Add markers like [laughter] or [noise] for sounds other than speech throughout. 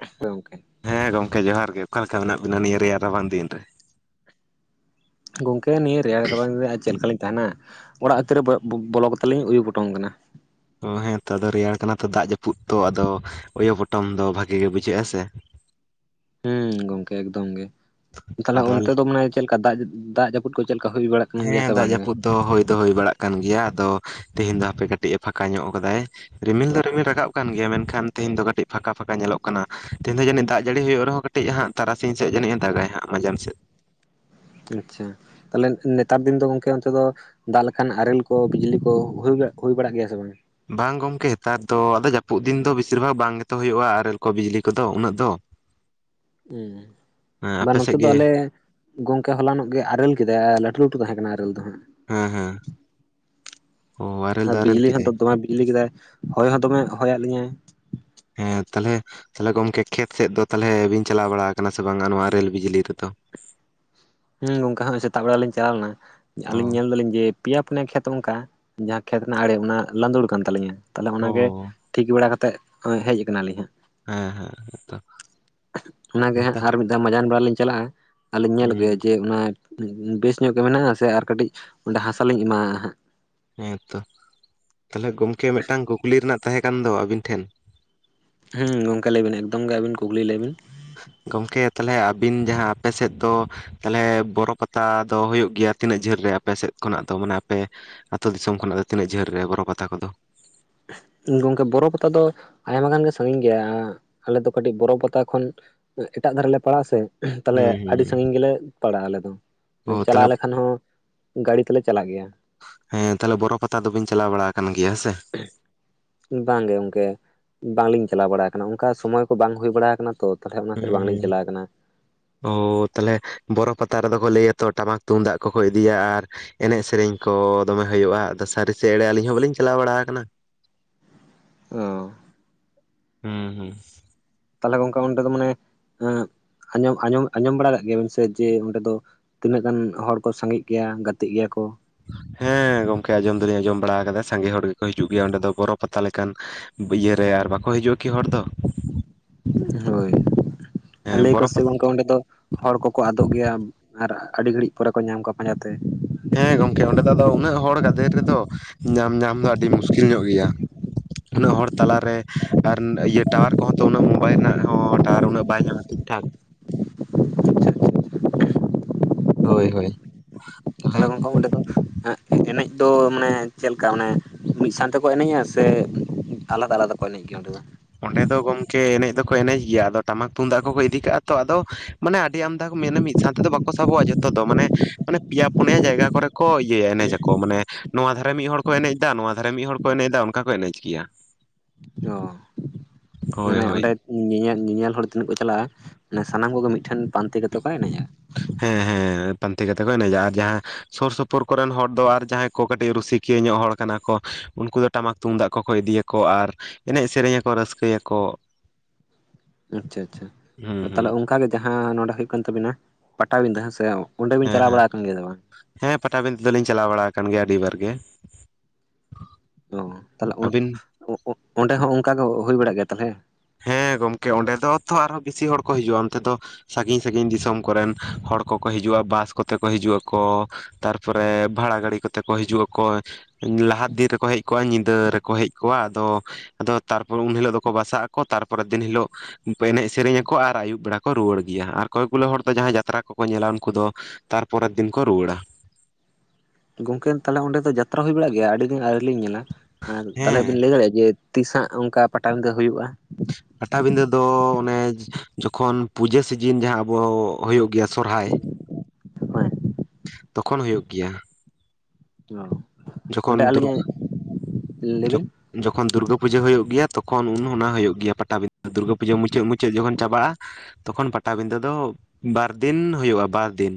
ᱦᱮᱸ ᱜᱚᱢᱠᱮ᱾ ᱦᱮᱸ ᱜᱚᱢᱠᱮ ᱡᱚᱦᱟᱨ ᱜᱮ ᱚᱠᱟ ᱞᱮᱠᱟ ᱢᱮᱱᱟᱜ ᱵᱤᱱᱟ ᱱᱤᱭᱟᱹ ᱨᱮᱭᱟᱲ ᱨᱟᱵᱟᱝ ᱫᱤᱱ ᱨᱮ? ᱜᱚᱢᱠᱮ ᱱᱤᱭᱟᱹ ᱨᱮᱭᱟᱲ ᱨᱟᱵᱟᱝ ᱫᱤᱱ ᱨᱮ ᱪᱮᱫ ᱞᱮᱠᱟᱞᱤᱧ ᱛᱟᱸᱦᱮᱱᱟ ᱚᱲᱟᱜ ᱵᱷᱤᱛᱨᱤ ᱨᱮ ᱵᱚᱞᱚ ᱠᱟᱛᱮᱫ ᱞᱤᱧ ᱩᱭᱩ ᱯᱚᱴᱚᱢ ᱟᱠᱟᱱᱟ ᱾ ᱚ ᱦᱮᱸ ᱛᱚ ᱟᱫᱚ ᱨᱮᱭᱟᱲ ᱠᱟᱱᱟ ᱛᱚ ᱫᱟᱜ ᱡᱟᱹᱯᱩᱫ ᱛᱚ ᱟᱫᱚ ᱳᱭᱳ ᱯᱚᱴᱚᱢ ᱫᱚ ᱵᱷᱟᱜᱤ ᱜᱮ ᱵᱩᱡᱷᱟᱹᱜᱼᱟ ᱥᱮ ᱾ ᱦᱮᱸ ᱜᱚᱢᱠᱮ ᱮᱠᱫᱚᱢ ᱜᱮ, ᱛᱟᱦᱚᱞᱮ ᱟᱫᱚ ᱟᱞᱮ ᱚᱱᱛᱮ ᱫᱚ ᱢᱟᱱᱮ ᱪᱮᱫ ᱞᱮᱠᱟ ᱫᱟᱜ ᱫᱟᱜ ᱡᱟᱹᱯᱩᱫ ᱠᱚ ᱪᱮᱫ ᱞᱮᱠᱟ ᱦᱩᱭ ᱵᱟᱲᱟᱜᱼᱟ? ᱦᱮᱸ ᱫᱟᱜ ᱡᱟᱹᱯᱩᱫ ᱫᱚ ᱦᱩᱭ ᱫᱚ ᱦᱩᱭ ᱵᱟᱲᱟᱜ ᱠᱟᱱ ᱜᱮᱭᱟ ᱟᱫᱚ ᱛᱮᱦᱮᱧ ᱫᱚ ᱦᱟᱯᱮ ᱠᱟᱹᱴᱤᱡ ᱮ ᱯᱷᱟᱸᱠᱟ ᱧᱚᱜ ᱠᱟᱫᱟᱭ ᱾ ᱨᱤᱢᱤᱞ ᱫᱚ ᱨᱤᱢᱤᱞ ᱨᱟᱠᱟᱵ ᱠᱟᱱ ᱜᱮᱭᱟ ᱢᱮᱱᱠᱷᱟᱱ ᱛᱮᱦᱮᱧ ᱫᱚ ᱠᱟᱹᱴᱤᱡ ᱯᱷᱟᱸᱠᱟ ᱯᱷᱟᱸᱠᱟ ᱧᱮᱞᱚᱜ ᱠᱟᱱᱟ ᱛᱮᱦᱮᱸᱧ ᱫᱚ ᱡᱟᱹᱱᱤᱡ ᱫᱟᱜ ᱡᱟᱹᱲᱤ ᱦᱩᱭᱩᱜ ᱨᱮᱦᱚᱸ ᱠᱟ ᱴᱤᱡ ᱦᱟᱸᱜ ᱛᱟᱨᱟᱥᱤᱧ ᱥᱮᱫ ᱡᱟᱹᱱᱤᱡᱼᱮ ᱫᱟᱜᱟᱭ ᱦᱟᱸᱜ ᱢᱟᱡᱟᱢ ᱥᱮᱫ ᱾ ᱟᱪᱪᱷᱟ ᱛᱟᱦᱞᱮ ᱱᱮᱛᱟᱨ ᱫᱤᱱ ᱫᱚ ᱜᱚᱝᱠᱮ ᱚᱱᱛᱮ ᱫᱚ ᱫᱟᱜ ᱞᱮᱠᱷᱟᱱ ᱟᱨᱮᱞ ᱠᱚ ᱵᱤᱡᱽᱞᱤ ᱠᱚ ᱦᱩᱭ ᱦᱩᱭ ᱵᱟᱲᱟᱜ ᱜᱮᱭᱟ ᱥᱮ ᱵᱟᱝ? ᱵᱟᱝ ᱜᱚᱢᱠᱮ ᱱᱮᱛᱟᱨ ᱫᱚ ᱟᱫᱚ ᱡᱟᱹᱯᱩᱫ ᱫᱤᱱ ᱫᱚ ᱵᱮᱥᱤᱨ ᱵᱷᱟᱜᱽ ᱵᱟᱝ ᱜᱮᱛᱚ ᱦᱩᱭᱩᱜᱼᱟ ᱟᱨᱮᱞ ᱠᱚ ᱵᱤᱡᱽᱞᱤ ᱠᱚᱫᱚ ᱩᱱᱟᱹᱜ ᱫᱚ ᱾ [unintelligible] ᱵᱟᱝ ᱟᱯᱮ ᱥᱮᱫ ᱱᱚᱛᱮ ᱫᱚ ᱜᱮ ᱟᱞᱮ ᱜᱚᱢᱠᱮ ᱦᱚᱞᱟᱱᱚᱜ ᱜᱮ ᱟᱨᱮᱞ ᱠᱮᱫᱟᱭ ᱞᱟᱹᱴᱩ ᱞᱟᱹᱴᱩ ᱛᱟᱦᱮᱸ ᱠᱟᱱᱟ ᱟᱨᱮᱞ ᱫᱚ ᱦᱟᱸᱜ ᱾ ᱦᱮᱸ ᱦᱮᱸ ᱾ ᱟᱨ ᱵᱤᱡᱽᱞᱤ ᱦᱚᱸ ᱠᱮᱫᱟᱭ ᱫᱚᱢᱮ ᱵᱤᱡᱽᱞᱤ ᱠᱮᱫᱟᱭ ᱦᱚᱭ ᱦᱚᱸ ᱫᱚᱢᱮ ᱦᱚᱭ ᱟᱫ ᱞᱤᱧᱟᱭ ᱾ ᱦᱮᱸ ᱛᱟᱦᱚ ᱞᱮ ᱾ ᱛᱟᱦᱚ ᱞᱮ ᱜᱚᱢᱠᱮ ᱠᱷᱮᱛ ᱥᱮᱫ ᱫᱚ ᱛᱟᱦᱚ ᱞᱮ ᱵᱤᱱ ᱪᱟᱞᱟᱣ ᱵᱟᱲᱟ ᱟᱠᱟᱱᱟ ᱥᱮ ᱵᱟᱝ-ᱟ ᱱᱚᱣᱟ ᱟᱨᱮᱞ ᱵᱤᱡᱽᱞᱤ ᱨᱮᱫᱚ? ᱦᱮᱸ ᱜᱚᱝᱠᱮ ᱦᱟᱸᱜ-ᱟᱭ ᱥᱮᱛᱟᱜ ᱵᱮᱲᱟ ᱞᱤᱧ ᱪᱟᱞᱟᱣ ᱞᱮᱱᱟ ᱟᱞᱤᱧ ᱚ ᱧᱮᱞ ᱫᱟᱞᱤᱧ ᱡᱮ ᱯᱮᱭᱟ ᱯᱩᱱᱭᱟ ᱠᱷᱮᱛ ᱚᱱᱠᱟ ᱡᱟᱦᱟᱸ ᱠᱷᱮᱛ ᱨᱮᱱᱟᱜ ᱟᱲᱮ ᱚᱱᱟ ᱞᱟᱸᱫᱩᱲ ᱠᱟᱱ ᱛᱟᱹᱞᱤᱧᱟ ᱛᱟᱦᱚ ᱞᱮ ᱚᱱᱟ ᱜᱮ ᱚ ᱴᱷᱤᱠ ᱵᱟᱲᱟ ᱠᱟᱛᱮᱫ ᱱᱚᱜ-ᱚᱭ ᱦᱮᱡ ᱠᱟᱱᱟᱞᱤᱧ ᱦᱟᱸᱜ ᱾ ᱦᱮᱸ ᱦᱮᱸᱛᱚ ᱚᱱᱟ ᱜᱮ ᱦᱟᱸᱜ ᱚᱱᱠᱟ ᱟᱨ ᱢᱤᱫ ᱫᱷᱟᱣ ᱢᱟᱡᱟᱱ ᱵᱮᱲᱟ ᱞᱤᱧ ᱪᱟᱞᱟᱜᱼᱟ, ᱟᱨᱞᱤᱧ ᱧᱮᱞ ᱟᱹᱜᱩᱭᱟ ᱦᱮᱸ ᱡᱮ ᱚᱱᱟ ᱵᱮᱥ ᱧᱚᱜ ᱜᱮ ᱢᱮᱱᱟᱜᱼᱟ ᱥᱮ ᱟᱨ ᱠᱟᱹᱴᱤᱡ ᱚᱸᱰᱮ ᱦᱟᱥᱟ ᱞᱤᱧ ᱮᱢᱟᱣᱼᱟ ᱦᱟᱸᱜ? ᱦᱮᱸ ᱛᱚ, ᱛᱟᱦᱚᱞᱮ ᱜᱚᱢᱠᱮ ᱢᱤᱫᱴᱟᱝ ᱠᱩᱠᱞᱤ ᱨᱮᱱᱟᱜ ᱛᱟᱦᱮᱸ ᱠᱟᱱ ᱫᱚ ᱟᱹᱵᱤᱱ ᱴᱷᱮᱱ ᱦᱩᱸ ᱜᱚᱢᱠᱮ ᱞᱟᱹᱭᱵᱤᱱ ᱮᱠᱫᱚᱢ ᱜᱮ ᱟᱹᱵᱤᱱ ᱠᱩᱠᱞᱤ ᱞᱟᱹᱭ ᱵᱤᱱ ᱜᱚᱢᱠᱮ ᱛᱟᱦᱚᱞᱮ ᱟᱹᱵᱤᱱ ᱡᱟᱦᱟᱸ ᱟᱯᱮ ᱥᱮᱫ ᱫᱚ ᱛᱟᱦᱚᱞᱮ ᱵᱚᱨᱚ ᱯᱟᱛᱟ ᱫᱚ ᱦᱩᱭᱩᱜ ᱜᱮᱭᱟ, ᱛᱤᱱᱟᱹᱜ ᱡᱷᱟᱹᱞ ᱨᱮ ᱟᱯᱮ ᱥᱮᱫ ᱠᱷᱚᱱᱟᱜ ᱫᱚ? ᱢᱟᱱᱮ ᱟᱯᱮ ᱟᱹᱛᱩ ᱫᱤᱥᱚᱢ ᱠᱷᱚᱱᱟᱜ ᱫᱚ ᱛᱤᱱᱟᱹᱜ ᱡᱷᱟᱹᱞ ᱨᱮ ᱵᱚᱨᱚ ᱯᱟᱛᱟ ᱠᱚᱫᱚ? ᱜᱚᱝᱠᱮ ᱵᱚᱨᱚ ᱯᱟᱛᱟ ᱫᱚ ᱟᱭᱢᱟ ᱜᱟᱱ ᱜᱮ ᱥᱟᱺᱜᱤᱧ ᱜᱮᱭᱟ, ᱟᱞᱮ ᱫᱚ ᱠᱟᱹᱴᱤᱡ ᱵᱚᱨᱚ ᱯᱟᱛᱟ ᱠᱷᱚᱱ ᱮᱴᱟᱜ ᱫᱷᱟᱨᱮ ᱞᱮ ᱯᱟᱲᱟᱜ ᱟ ᱥᱮ ᱛᱟᱦᱞᱮ ᱦᱩᱸ ᱟᱹᱰᱤ ᱦᱩᱸ ᱥᱟᱺᱜᱤᱧ ᱜᱮᱞᱮ ᱯᱟᱲᱟᱜᱼᱟ, ᱟᱞᱮ ᱫᱚ ᱚ ᱛᱟᱦᱚᱞᱮ ᱪᱟᱞᱟᱣ ᱞᱮᱠᱷᱟᱱ ᱦᱚᱸ ᱜᱟᱹᱰᱤ ᱛᱮᱞᱮ ᱪᱟᱞᱟᱜ ᱜᱮᱭᱟ᱾ ᱦᱮᱸ ᱛᱟᱦᱞᱮ ᱵᱚᱨᱚ ᱯᱟᱛᱟ ᱫᱚ ᱵᱟᱹᱧ ᱪᱟᱞᱟᱣ ᱵᱟᱲᱟ ᱟᱠᱟᱱ ᱜᱮᱭᱟᱸ ᱥᱮ? ᱵᱟᱝ ᱜᱮ ᱜᱚᱢᱠᱮ, ᱵᱟᱝ ᱞᱤᱧ ᱪᱟᱞᱟᱣ ᱵᱟᱲᱟᱠᱟᱱᱟ᱾ ᱚᱱᱠᱟ ᱥᱚᱢᱚᱭ ᱠᱚ ᱵᱟᱝ ᱦᱩᱭ ᱵᱟᱲᱟ ᱟᱠᱟᱱᱟ᱾ ᱛᱚ ᱛᱟᱦᱚᱞᱮ ᱚᱱᱟ ᱠᱷᱟᱹᱛᱤᱨ ᱦᱩᱸ ᱵᱟᱝ ᱞᱤᱧ ᱦᱩᱸ ᱪᱟᱞᱟᱣ ᱠᱟᱱᱟ᱾ ᱚ ᱛᱟᱦᱚᱞᱮ ᱵᱚᱨᱚ ᱯᱟᱛᱟ ᱨᱮᱫᱚ ᱠᱚ ᱞᱟᱹᱭᱟ ᱛᱚ ᱴᱟᱢᱟᱠ ᱛᱩᱢᱫᱟᱜ ᱠᱚᱠᱚ ᱤᱫᱤᱭᱟ, ᱟᱨ ᱮᱱᱮᱡ ᱥᱮᱨᱮᱧ ᱠᱚ ᱫᱚᱢᱮ ᱦᱩᱭᱩᱜᱼᱟ? ᱟᱫᱚ ᱥᱟᱹᱨᱤ ᱥᱮ ᱮᱲᱮ ᱟᱹᱞᱤᱧ ᱦᱚᱸ ᱵᱟᱹᱝ ᱞᱤᱧ ᱪᱟᱞᱟᱣ ᱵᱟᱲᱟ ᱟᱠᱟᱱᱟ᱾ ᱚᱸ᱾ ᱦᱩᱸ ᱦᱩᱸ, ᱛᱟᱦᱚᱞᱮ ᱜᱚᱝᱠᱮ ᱚᱸᱰᱮ ᱫᱚ ᱢᱟᱱᱮ ᱮᱸ ᱟᱸᱡᱚᱢ ᱟᱸᱚᱢ ᱟᱸᱡᱚᱢ ᱵᱟᱲᱟ ᱟᱠᱟᱜ ᱜᱮᱭᱟ. ᱵᱮᱱ ᱥᱮ ᱡᱮ ᱚᱸᱰᱮ ᱫᱚ ᱛᱤᱱᱟᱹᱜ ᱜᱟᱱ ᱦᱚᱲ ᱠᱚ ᱥᱟᱸᱜᱮᱜ ᱜᱮᱭᱟ ᱜᱟᱛᱮᱜ ᱜᱮᱭᱟ ᱠᱚ? ᱦᱮᱸ ᱜᱚᱝᱠᱮ ᱟᱸᱡᱚᱢ ᱫᱚᱞᱤᱧ ᱟᱸᱡᱚᱢ ᱵᱟᱲᱟ ᱠᱟᱫᱟ ᱥᱟᱸᱜᱮ ᱦᱚᱲ ᱜᱮᱠᱚ ᱦᱤᱡᱩᱜ ᱜᱮᱭᱟ, ᱚᱸᱰᱮ ᱫᱚ ᱵᱚᱨᱚ ᱯᱟᱛᱟ ᱞᱮᱠᱟᱱ ᱤᱭᱟᱹᱨᱮ ᱟᱨ ᱵᱟᱠᱚ ᱦᱤᱡᱩᱜᱼᱟ ᱠᱤ ᱦᱚᱲ ᱫᱚ? [unintelligible] ᱦᱚᱭ, ᱟᱨ ᱦᱮᱸ ᱞᱟᱹᱭ ᱠᱚ ᱵᱚᱨᱚ ᱥᱮ ᱯᱟᱛᱟ ᱜᱚᱝᱠᱮ ᱚᱸᱰᱮ ᱫᱚ ᱦᱚᱲ ᱠᱚᱠᱚ ᱟᱫᱚᱜ ᱜᱮᱭᱟ, ᱟᱨ ᱟᱹᱰᱤ ᱜᱷᱟᱹᱲᱤᱡ ᱯᱚᱨᱮ ᱠᱚ ᱧᱟᱢ ᱠᱚᱣᱟ ᱯᱟᱸᱡᱟᱛᱮ᱾ ᱦᱮᱸ ᱜᱚᱝᱠᱮ ᱚᱱᱰᱮ ᱫᱚ ᱟᱫᱚ ᱩᱱᱟᱹᱜ ᱦᱚᱲ ᱜᱟᱫᱮᱞ ᱨᱮᱫᱚ ᱧᱟᱢ ᱧᱟᱢ ᱫᱚ ᱟᱹᱰᱤ ᱢᱩᱥᱠᱤᱞ ᱧᱚᱜ ᱜᱮᱭᱟ, ᱩᱱᱟᱹᱜ ᱦᱚᱲ ᱛᱟᱞᱟᱨᱮ ᱟᱨᱱ ᱤᱭᱟᱹ ᱴᱟᱣᱟᱨ ᱠᱚᱦᱚᱸ ᱛᱚ ᱩᱱᱟᱹᱜ ᱢᱳᱵᱟᱭᱤᱞ ᱱᱟᱜ ᱦᱚᱸ ᱴᱟᱣᱟᱨ ᱩᱱᱟᱹᱜ ᱵᱟᱭ ᱧᱟᱢᱟ ᱴᱷᱤᱠ ᱴᱷᱟᱠ ᱾ ᱟᱪᱪᱷᱟ ᱟᱪᱪᱷᱟ ᱟᱪᱪᱷᱟ᱾ ᱦᱳᱭ ᱦᱳᱭ, ᱛᱟᱦᱚᱞᱮ ᱜᱚᱝᱠᱮ ᱚᱸᱰᱮ ᱫᱚ ᱮᱱᱮᱡ ᱫᱚ ᱢᱟᱱᱮ ᱪᱮᱞᱠᱟ ᱢᱟᱱᱮ ᱢᱤᱫ ᱥᱟᱶᱛᱮ ᱠᱚ ᱮᱱᱮᱡᱼᱟ ᱥᱮ ᱟᱞᱟᱫᱟ ᱟᱞᱟᱫᱟ ᱠᱚ ᱮᱱᱮᱡ ᱜᱮᱭᱟ ᱚᱸᱰᱮ ᱫᱚ? ᱚᱸᱰᱮ ᱫᱚ ᱜᱚᱝᱠᱮ ᱮᱱᱮᱡ ᱫᱚᱠᱚ ᱮᱱᱮᱡ ᱜᱮᱭᱟ, ᱟᱫᱚ ᱴᱟᱢᱟᱠ ᱛᱩᱢᱫᱟᱜ ᱠᱚᱠᱚ ᱤᱫᱤ ᱠᱟᱜᱼᱟ ᱛᱚ ᱟᱫᱚ ᱢᱟᱱᱮ ᱟᱹᱰᱤ ᱟᱢᱫᱟ ᱠᱚ ᱢᱮᱱᱟ ᱢᱤᱫ ᱥᱟᱶᱛᱮᱫᱚ ᱵᱟᱠᱚ ᱥᱟᱵᱚᱜᱼᱟ ᱡᱚᱛᱚ ᱫᱚ ᱢᱟᱱᱮ ᱢᱟᱱᱮ ᱯᱮᱭᱟ ᱯᱩᱱᱭᱟ ᱡᱟᱭᱜᱟ ᱠᱚᱨᱮ ᱠᱚ ᱤᱭᱟᱹᱭᱟ ᱮᱱᱮᱡ ᱟᱠᱚ ᱢᱟᱱᱮ ᱱᱚᱣᱟ ᱫᱷᱟᱨᱮ ᱢᱤᱜ ᱦᱚᱲ ᱠᱚ ᱮᱱᱮᱡᱫᱟ ᱱᱚᱣᱟ ᱫᱷᱟᱨᱮ ᱢᱤᱜ ᱦᱚᱲ ᱠᱚ ᱮᱱᱮᱡᱫᱟ ᱚᱱᱠᱟ ᱠᱚ ᱮᱱᱮᱡ ᱜᱮᱭᱟ ᱾ ᱚ ᱦᱳᱭ ᱢᱟᱱᱮ ᱦᱳᱭ ᱚᱸᱰᱮ ᱧᱮᱧᱮᱞ ᱧᱮᱧᱮᱞ ᱦᱚᱲ ᱛᱤᱱᱟᱹᱜ ᱠᱚ ᱪᱟᱞᱟᱜᱼᱟ ᱢᱟᱱᱮ ᱥᱟᱱᱟᱢ ᱠᱚᱜᱮ ᱢᱤᱜᱴᱷᱮᱱ ᱯᱟᱱᱛᱮ ᱠᱟᱛᱮ ᱠᱚ ᱮᱱᱮᱡᱼᱟ ᱾ ᱦᱮᱸ ᱦᱮᱸ ᱯᱟᱱᱛᱮ ᱠᱟᱛᱮ ᱠᱚ ᱮᱱᱮᱡᱟ, ᱟᱨ ᱡᱟᱦᱟᱸ ᱥᱳᱨ ᱥᱳᱯᱳᱨ ᱠᱚᱨᱮᱱ ᱦᱚᱲ ᱫᱚ ᱟᱨ ᱡᱟᱦᱟᱸᱭ ᱠᱚ ᱠᱟᱹᱴᱤᱡ ᱨᱩᱥᱤᱠᱤᱭᱟᱹ ᱧᱚᱜ ᱦᱚᱲ ᱠᱟᱱᱟ ᱠᱚ ᱩᱱᱠᱩ ᱫᱚ ᱴᱟᱢᱟᱠ ᱛᱩᱢᱫᱟᱜ ᱠᱚᱠᱚ ᱤᱫᱤᱭᱟᱠᱚ, ᱟᱨ ᱮᱱᱮᱡ ᱥᱮᱨᱮᱧᱟᱠᱚ ᱨᱟᱹᱥᱠᱟᱹᱭᱟᱠᱚ ᱾ [inaudible] ᱟᱪᱪᱷᱟ ᱟᱪᱪᱷᱟ ᱦᱩᱸ ᱦᱩᱸ ᱛᱟᱦᱚᱞᱮ ᱚᱝᱠᱟ ᱜᱮ ᱡᱟᱦᱟᱸ ᱱᱚᱰᱮ ᱦᱩᱭᱩᱜ ᱠᱟᱱ ᱛᱟᱵᱤᱱᱟ ᱯᱟᱴᱟᱵᱤᱸᱫᱟᱹ ᱦᱮᱸ ᱥᱮ, ᱚᱸᱰᱮ ᱵᱤᱱ ᱦᱮᱸ ᱪᱟᱞᱟᱣ ᱦᱮᱸ ᱵᱟᱲᱟ ᱟᱠᱟᱱ ᱜᱮᱭᱟ ᱥᱮ ᱵᱟᱝ ᱦᱮᱸ ᱯᱟᱴᱟᱵᱤᱸᱫᱟᱹ ᱫᱚᱞᱤᱧ ᱪᱟᱞᱟᱣ ᱵᱟᱲᱟ ᱟᱠᱟᱱ ᱜᱮᱭᱟ ᱟᱹᱰᱤ ᱵᱟᱨ ᱜᱮ ᱾ ᱚ ᱛᱟᱦᱚᱞᱮ ᱟᱹᱵᱤᱱ ᱚ ᱚ ᱚᱸᱰᱮ ᱦᱚᱸ ᱚᱝᱠᱟ ᱜᱮ ᱦᱩᱭ ᱵᱟᱲᱟᱜ ᱜᱮᱭᱟ ᱛᱟᱦᱚᱞᱮ ᱾ ᱦᱮᱸ ᱜᱚᱝᱠᱮ ᱚᱸᱰᱮ ᱫᱚ ᱛᱷᱚ ᱟᱨᱦᱚᱸ ᱵᱤᱥᱤ ᱦᱚᱲ ᱠᱚ ᱦᱤᱡᱩᱜᱼᱟ ᱚᱱᱛᱮ ᱫᱚ ᱥᱟᱺᱜᱤᱧ ᱥᱟᱺᱜᱤᱧ ᱫᱤᱥᱚᱢ ᱠᱚᱨᱮᱱ ᱦᱚᱲ ᱠᱚᱠᱚ ᱦᱤᱡᱩᱜᱼᱟ ᱵᱟᱥ ᱠᱚᱛᱮ ᱠᱚ ᱦᱤᱡᱩᱜ ᱟᱠᱚ, ᱛᱟᱨᱯᱚᱨᱮ ᱵᱷᱟᱲᱟ ᱜᱟᱹᱲᱤ ᱠᱚᱛᱮ ᱠᱚ ᱦᱤᱡᱩᱜ ᱟᱠᱚ, ᱞᱟᱦᱟ ᱫᱤᱱ ᱨᱮᱠᱚ ᱦᱮᱡ ᱠᱚᱜᱼᱟ ᱧᱤᱫᱟᱹ ᱨᱮᱠᱚ ᱦᱮᱡ ᱠᱚᱜᱼᱟ ᱟᱫᱚ ᱟᱫᱚ ᱛᱟᱨᱯᱚᱨ ᱩᱱ ᱦᱤᱞᱳᱜ ᱫᱚᱠᱚ ᱵᱟᱥᱟᱜ -ᱟᱠᱚ ᱛᱟᱨᱯᱚᱨᱮ ᱫᱤᱱ ᱦᱤᱞᱚᱜ ᱮᱱᱮᱡ ᱥᱮᱨᱮᱧ ᱟᱠᱚ ᱟᱨ ᱟᱹᱭᱩᱵ ᱵᱮᱲᱟ ᱠᱚ ᱨᱩᱣᱟᱹᱲ ᱜᱮᱭᱟ, ᱟᱨ ᱚᱠᱚᱭ ᱜᱩᱞᱳ ᱦᱚᱲ ᱫᱚ ᱡᱟᱦᱟᱸᱭ ᱡᱟᱛᱨᱟ ᱠᱚᱠᱚ ᱧᱮᱞᱟ ᱩᱱᱠᱩ ᱫᱚ ᱛᱟᱨᱯᱚᱨᱮᱨ ᱫᱤᱱ ᱠᱚ ᱨᱩᱣᱟᱹᱲᱟ ᱾ ᱜᱚᱝᱠᱮ ᱛᱟᱦᱚᱞᱮ ᱚᱸᱰᱮ ᱫᱚ ᱡᱟᱛᱨᱟ ᱦᱩᱭ ᱵᱟᱲᱟᱜ ᱜᱮᱭᱟ? ᱟᱹᱰᱤ ᱫᱤᱱ ᱟᱹᱣᱨᱤ ᱞᱤᱧ ᱧᱮᱞᱟ, ᱟᱨ ᱛᱟᱦᱚᱞᱮ ᱵᱤᱱ ᱦᱮᱸ ᱞᱮᱭ ᱫᱟᱲᱮᱭᱟᱜᱼᱟ ᱡᱮ ᱛᱤᱥ ᱟᱜ ᱚᱱᱠᱟ ᱯᱟᱴᱟᱵᱤᱫᱟᱹ ᱦᱩᱭᱩᱜᱼᱟ ᱯᱟᱴᱟᱵᱤᱫᱟᱹ ᱫᱚ ᱚᱱᱮ ᱡᱚᱠᱷᱚᱱ ᱯᱩᱡᱟᱹ ᱥᱤᱡᱤᱱ ᱡᱟᱦᱟᱸ ᱟᱵᱚ ᱦᱩᱭᱩᱜ ᱜᱮᱭᱟ ᱥᱚᱨᱦᱟᱭ ᱦᱳᱭ ᱛᱚᱠᱷᱚᱱ ᱦᱩᱭᱩᱜ ᱜᱮᱭᱟ᱾ ᱳ ᱚᱸᱰᱮ ᱡᱚᱠᱷᱚᱱ ᱫᱩᱨᱜᱟᱹ ᱟᱹᱞᱤᱧᱟᱜ ᱞᱟᱹᱭ ᱵᱤᱱ ᱡᱚᱠᱷᱚᱱ ᱫᱩᱨᱜᱟᱹ ᱯᱩᱡᱟᱹ ᱦᱩᱭᱩᱜ ᱜᱮᱭᱟ ᱛᱚᱠᱷᱚᱱ ᱩᱱᱦᱚ ᱚᱱᱟ ᱦᱩᱭᱩᱜ ᱜᱮᱭᱟ ᱯᱟᱴᱟᱵᱤᱫᱫᱟᱹ ᱫᱩᱨᱜᱟᱹ ᱯᱩᱡᱟᱹ ᱢᱩᱪᱟᱹᱫ ᱢᱩᱪᱟᱹᱫ ᱡᱚᱠᱷᱚᱱ ᱪᱟᱵᱟᱜᱼᱟ ᱛᱚᱠᱷᱚᱱ ᱯᱟᱴᱟᱵᱤᱫᱟᱹ ᱫᱚ ᱵᱟᱨᱫᱤᱱ ᱦᱩᱭᱩᱜᱼᱟ ᱵᱟᱨ ᱫᱤᱱ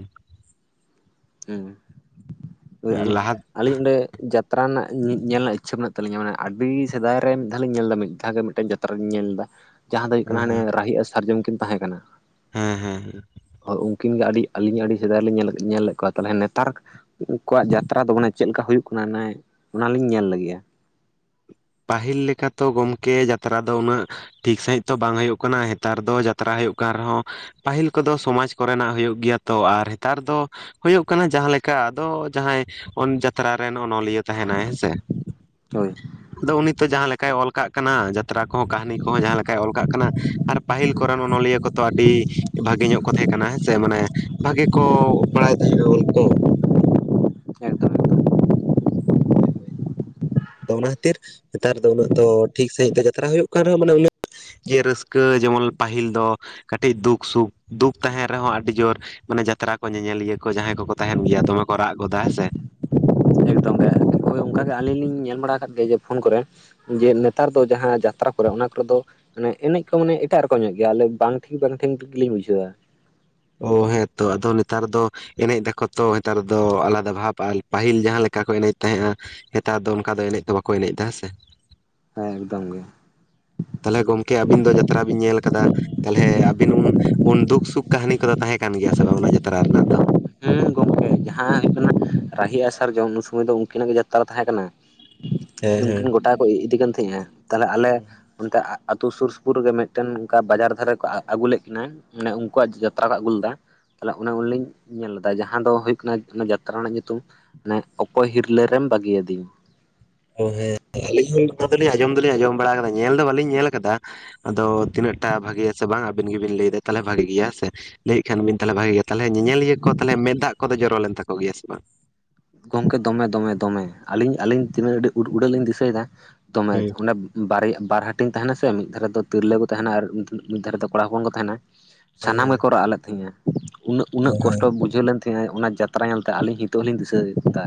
ᱦᱮᱸ ᱦᱳᱭ [unintelligible] ᱞᱟᱦᱟ ᱟᱹᱞᱤᱧ ᱚᱸᱰᱮ ᱡᱟᱛᱨᱟ ᱨᱮᱱᱟᱜ ᱧᱮᱞ ᱨᱮᱱᱟᱜ ᱤᱪᱷᱟᱹ ᱢᱮᱱᱟᱜ ᱛᱟᱹᱞᱤᱧᱟ ᱢᱟᱱᱮ ᱟᱹᱰᱤ ᱥᱮᱫᱟᱭ ᱨᱮ ᱢᱤᱫ ᱫᱷᱟᱣ ᱞᱤᱧ ᱧᱮᱞ ᱮᱫᱟ ᱢᱤᱫ ᱫᱷᱟᱣ ᱜᱮ ᱢᱤᱫᱴᱮᱱ ᱡᱟᱛ ᱡᱟᱛᱨᱟᱧ ᱤᱧ ᱧᱮᱞ ᱞᱮᱫ-ᱟ ᱡᱟᱦᱟᱸ ᱫᱚ ᱦᱩᱭᱩᱜ ᱦᱮᱸ ᱠᱟᱱᱟ ᱦᱟᱱᱮ ᱨᱟᱦᱤ ᱟᱨ ᱥᱟᱨᱡᱚᱢ ᱠᱤᱱ ᱛᱟᱦᱮᱸ ᱠᱟᱱᱟ᱾ ᱦᱮᱸ ᱦᱮᱸ ᱦᱮᱸ ᱦᱳᱭ ᱩᱱᱠᱤᱱ ᱜᱮ ᱟᱹᱰᱤ ᱟᱹᱞᱤᱧ ᱟᱹᱰᱤ ᱥᱮᱫᱟᱭ ᱞᱤᱧ ᱧᱮᱞ ᱞᱮᱫ ᱠᱚᱣᱟ ᱛᱟᱦᱚᱞᱮ ᱱᱮᱛᱟᱨ ᱩᱱᱠᱩᱣᱟᱜ ᱡᱟᱛᱨᱟ ᱫᱚ ᱢᱟᱱᱮ ᱪᱮᱫ ᱞᱮᱠᱟ ᱦᱩᱭᱩᱜ ᱠᱟᱱᱟ ᱚᱱᱟᱞᱤᱧ ᱧᱮᱞ ᱞᱟᱹᱜᱤᱫᱼᱟ᱾ ᱯᱟᱹᱦᱤᱞ ᱞᱮᱠᱟᱛᱚ ᱜᱚᱢᱠᱮ ᱡᱟᱛᱨᱟ ᱫᱚ ᱩᱱᱟᱹᱜ ᱴᱷᱤᱠ ᱥᱟᱺᱦᱤᱡ ᱛᱚ ᱵᱟᱝ ᱦᱩᱭᱩᱜ ᱠᱟᱱᱟ ᱱᱮᱛᱟᱨ ᱫᱚ ᱡᱟᱛᱨᱟ ᱦᱩᱭᱩᱜ ᱠᱟᱱ ᱨᱮᱦᱚᱸ ᱯᱟᱹᱦᱤᱞ ᱠᱚᱫᱚ ᱥᱚᱢᱟᱡᱽ ᱠᱚᱨᱮᱱᱟᱜ ᱦᱩᱭᱩᱜ ᱜᱮᱭᱟ ᱛᱚ ᱟᱨ ᱱᱮᱛᱟᱨ ᱫᱚ ᱦᱩᱭᱩᱜ ᱠᱟᱱᱟ ᱡᱟᱦᱟᱸ ᱞᱮᱠᱟ ᱟᱫᱚ ᱡᱟᱦᱟᱸᱭ ᱡᱟᱛᱨᱟ ᱨᱮᱱ ᱚᱱᱚᱞᱤᱭᱟᱹ ᱛᱟᱦᱮᱱᱟᱭ ᱦᱮᱸᱥᱮ ᱦᱳᱭ ᱟᱫᱚ ᱩᱱᱤ ᱛᱚ ᱡᱟᱦᱟᱸ ᱞᱮᱠᱟᱭ ᱚᱞ ᱠᱟᱜ ᱠᱟᱱᱟ ᱡᱟᱛᱨᱟ ᱠᱚᱦᱚᱸ ᱠᱟᱹᱦᱱᱤ ᱠᱚᱦᱚᱸ ᱡᱟᱦᱟᱸ ᱞᱮᱠᱟᱭ ᱚᱞ ᱠᱟᱜ ᱠᱟᱱᱟ ᱟᱨ ᱯᱟᱹᱦᱤᱞ ᱠᱚᱨᱮᱱ ᱚᱱᱚᱞᱤᱭᱟᱹ ᱠᱚᱫᱚ ᱟᱹᱰᱤ ᱵᱷᱟᱜᱮ ᱧᱚᱜ ᱠᱚ ᱛᱟᱦᱮᱸ ᱠᱟᱱᱟ ᱦᱮᱸ ᱥᱮ ᱢᱟᱱᱮ ᱵᱷᱟᱜᱤ ᱠᱚ ᱵᱟᱲᱟᱭ ᱛᱟᱦᱮᱸᱜᱼᱟ ᱚᱞ ᱠᱚ ᱮᱠᱫᱚᱢ ᱮᱠᱫᱚᱢ ᱦᱳᱭ ᱦᱳᱭ ᱟᱫᱚ ᱚᱱᱟ ᱠᱷᱟᱹᱛᱤᱨ ᱱᱮᱛᱟᱨ ᱫᱚ ᱩᱱᱟᱹᱜ ᱫᱚ ᱴᱷᱤᱠ ᱥᱟᱺᱦᱤᱡ ᱫᱚ ᱡᱟᱛᱨᱟ ᱦᱩᱭᱩᱜ ᱠᱟᱱ ᱨᱮᱦᱚᱸ ᱢᱟᱱᱮ ᱩᱱᱟᱹᱜ ᱡᱮ ᱨᱟᱹᱥᱠᱟᱹ ᱡᱮᱢᱚᱱ ᱯᱟᱹᱦᱤᱞ ᱫᱚ ᱠᱟᱹᱴᱤᱡ ᱫᱩᱠ ᱥᱩᱠ ᱫᱩᱠ ᱛᱟᱦᱮᱱ ᱨᱮᱦᱚᱸ ᱟᱹᱰᱤ ᱡᱳᱨ ᱢᱟᱱᱮ ᱡᱟᱛᱨᱟ ᱠᱚ ᱧᱮᱧᱮᱞᱤᱭᱟᱹ ᱠᱚ ᱡᱟᱦᱟᱸᱭ ᱠᱚᱠᱚ ᱛᱟᱦᱮᱱ ᱜᱮᱭᱟ ᱫᱚᱢᱮ ᱠᱚ ᱨᱟᱜ ᱜᱚᱫᱟ ᱦᱮᱸ ᱥᱮ ᱮᱠᱫᱚᱢ ᱦᱳᱭ ᱚᱱᱠᱟᱜᱮ ᱟᱹᱞᱤᱧ ᱞᱤᱧ ᱧᱮᱞ ᱵᱟᱲᱟ ᱟᱠᱟᱫ ᱜᱮᱭᱟ ᱡᱮ ᱯᱷᱳᱱ ᱠᱚᱨᱮ ᱡᱮ ᱱᱮᱛᱟᱨ ᱫᱚ ᱡᱟᱦᱟᱸ ᱡᱟᱛᱨᱟ ᱠᱚᱨᱮ ᱚᱱᱟ ᱠᱚᱨᱮ ᱫᱚ ᱢᱟᱱᱮ ᱮᱱᱮᱡ ᱠᱚ ᱢᱟᱱᱮ ᱮᱴᱟᱜ ᱨᱚᱠᱚᱢ ᱧᱚᱜ ᱜᱮᱭᱟ ᱟᱞᱮ ᱵᱟᱝ ᱴᱷᱤᱠ ᱵᱟᱝ ᱴᱷᱤᱠᱞᱤᱧ ᱵᱩᱡᱷᱟᱹᱣᱟ ᱚ ᱦᱮᱸᱛᱚ ᱟᱫᱚ ᱱᱮᱛᱟᱨ ᱫᱚ ᱮᱱᱮᱡ ᱫᱟᱠᱚ ᱛᱚ ᱱᱮᱛᱟᱨ ᱫᱚ ᱟᱞᱟᱫᱟ ᱵᱷᱟᱵᱽ ᱟᱨ ᱯᱟᱹᱦᱤᱞ ᱡᱟᱦᱟᱸ ᱞᱮᱠᱟ ᱠᱚ ᱮᱱᱮᱡ ᱛᱟᱦᱮᱸᱜᱼᱟ ᱱᱮᱛᱟᱨ ᱫᱚ ᱚᱱᱠᱟ ᱫᱚ ᱮᱱᱮᱡ ᱫᱚ ᱵᱟᱠᱚ ᱮᱱᱮᱡ ᱮᱫᱟ ᱦᱮᱸ ᱥᱮ ᱦᱮᱸ ᱮᱠᱫᱚᱢ ᱜᱮ ᱛᱟᱦᱚᱞᱮ ᱜᱚᱢᱠᱮ ᱟᱵᱤᱱ ᱫᱚ ᱡᱟᱛᱨᱟ ᱵᱤᱱ ᱧᱮᱞ ᱟᱠᱟᱫᱟ ᱛᱟᱦᱚᱞᱮ ᱟᱵᱤᱱ ᱩᱱ ᱩᱱ ᱫᱩᱠ ᱥᱩᱠ ᱠᱟᱹᱦᱱᱤ ᱠᱚᱫᱚ ᱛᱟᱦᱮᱸ ᱠᱟᱱ ᱜᱮᱭᱟ ᱥᱮ ᱵᱟᱝ ᱚᱱᱟ ᱡᱟᱛᱨᱟ ᱨᱮᱱᱟᱜ ᱫᱚ ᱦᱮᱸ ᱜᱚᱢᱠᱮ ᱡᱟᱦᱟᱸ ᱦᱩᱭᱩᱜ ᱠᱟᱱᱟ ᱨᱟᱦᱤ ᱟᱥᱟᱨ ᱡᱚᱢ ᱩᱱ ᱥᱚᱢᱚᱭ ᱫᱚ ᱩᱱᱠᱤᱱᱟᱜ ᱜᱮ ᱡᱟᱛᱨᱟ ᱛᱟᱦᱮᱸ ᱠᱟᱱᱟ ᱦᱮᱸ ᱦᱮᱸ ᱩᱱᱠᱤᱱ ᱜᱚᱴᱟ ᱠᱚ ᱤᱫᱤ ᱠᱟᱱ ᱛᱟᱦᱮᱸᱼᱟ ᱛᱟᱦᱞᱮ ᱟᱞᱮ ᱚᱱᱛᱮ ᱟᱛᱳ ᱥᱩᱨ ᱥᱩᱯᱩᱨᱜ ᱢᱤᱫᱴᱮᱱ ᱚᱱᱠᱟ ᱵᱟᱡᱟᱨ ᱫᱷᱟᱨᱮ ᱠᱚ ᱟᱹᱜᱩ ᱞᱮᱫ ᱠᱤᱱᱟᱹ ᱢᱟᱱᱮ ᱩᱱᱠᱩᱣᱟᱜ ᱡᱟᱛᱨᱟ ᱠᱚ ᱟᱹᱜᱩᱩᱞᱟ ᱛᱟᱦᱚᱞᱮ ᱚᱱᱮ ᱩᱱᱞᱤᱧ ᱧᱮᱞ ᱞᱮᱫᱟ ᱡᱟᱦᱟᱸ ᱫᱚ ᱦᱩᱭᱩᱜ ᱠᱟᱱᱟ ᱡᱟᱛᱨᱟ ᱨᱮᱱᱟᱜ ᱧᱩᱛᱩᱢ ᱢᱟᱱᱮ ᱚᱠᱚᱭ ᱦᱤᱨᱞᱟᱹ ᱨᱮᱢ ᱵᱟᱹᱜᱤᱭᱟᱫᱤᱧ ᱾ ᱚ ᱦᱮᱸ ᱟᱞᱤᱧ ᱦᱚᱸ ᱫᱚᱧ ᱟᱸᱡᱚᱢ ᱫᱚᱞᱤᱧ ᱟᱸᱡᱚᱢ ᱵᱟᱲᱟ ᱟᱠᱟᱫᱟ ᱧᱮᱞ ᱫᱚ ᱵᱟ. ᱞᱤᱧ ᱧᱮᱞ ᱟᱠᱟᱫᱟ᱾ ᱟᱫᱚ ᱛᱤᱱᱟᱹᱜ ᱴᱟ ᱵᱷᱟᱜᱮᱭᱟ ᱥᱮ ᱵᱟᱝ ᱟᱵᱤᱱ ᱜᱮᱵᱤᱱ ᱞᱟᱹᱭᱫᱟ ᱛᱟᱦᱚᱞᱮ ᱵᱷᱟᱜᱤ ᱜᱮᱭᱟ ᱦᱮᱸ ᱥᱮ ᱞᱟᱹᱭᱮᱫ ᱠᱷᱟᱱ ᱵᱤᱱ ᱛᱟᱦᱚᱞᱮ ᱵᱷᱟᱜᱮ ᱜᱮᱭᱟ ᱛᱟᱦᱮᱞᱮ ᱧᱮᱧᱮᱞᱤᱭᱟᱹ ᱠᱚ ᱛᱟᱦᱮᱞᱮ ᱢᱮᱫ ᱫᱟᱜ ᱠᱚᱫᱚ ᱡᱚᱨᱚ ᱞᱮᱱ ᱛᱟᱠᱚ ᱜᱮᱭᱟ ᱥᱮ ᱵᱟᱝ? ᱜᱚᱝᱠᱮ ᱫᱚᱢᱮ ᱫᱚᱢᱮ ᱫᱚᱢᱮ ᱟᱹᱞᱤᱧ ᱟᱹᱞᱤᱧ ᱛᱤᱱᱟᱹᱜ ᱟᱹᱰᱤ ᱩᱰᱟᱹᱜ ᱞᱤᱧ ᱫᱤᱥᱟᱹᱭᱮᱫᱟ ᱫᱚᱢᱮ ᱦᱮᱸ ᱚᱸᱰᱮ ᱵᱟᱨᱭᱟ ᱵᱟᱨ ᱦᱟᱹᱴᱤᱧ ᱛᱟᱦᱮᱱᱟ ᱥᱮ ᱢᱤᱫ ᱫᱷᱟᱨᱮ ᱫᱚ ᱛᱤᱨᱞᱟᱹ ᱠᱚ ᱛᱟᱦᱮᱱᱟ ᱟᱨ ᱢᱤᱫ ᱫᱷᱟᱨᱮ ᱫᱚ ᱠᱚᱲᱟ ᱦᱚᱯᱚᱱ ᱠᱚ ᱛᱟᱦᱮᱱᱟ ᱦᱮᱸ ᱥᱟᱱᱟᱢ ᱦᱮᱸ ᱜᱮᱠᱚ ᱨᱟᱜ ᱞᱮᱫ ᱛᱟᱦᱮᱸᱫᱼᱟ ᱩᱱᱟᱹᱜ ᱩᱱᱟᱹᱜ ᱠᱚᱥᱴᱚ ᱵᱩᱡᱷᱟᱹᱣ ᱞᱮᱱ ᱛᱮᱦᱮᱸᱜᱼᱟᱭ ᱚᱱᱟ ᱡᱟᱛᱨᱟ ᱧᱮᱞᱛᱮ ᱟᱹᱞᱤᱧ ᱱᱤᱛᱚᱜ ᱞᱤᱧ ᱫᱤᱥᱟᱹ ᱭᱮᱫᱟ